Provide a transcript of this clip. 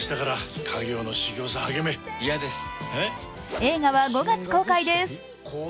映画は５月公開です。